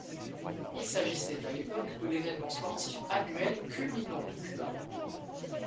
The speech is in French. Il s'agissait à l'époque de l'événement sportif annuel culminant de Cuba.